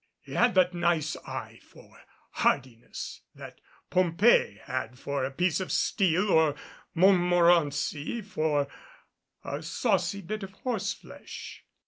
He had that nice eye for hardiness that Pompée had for a piece of steel or Montmorency for a saucy bit of horseflesh.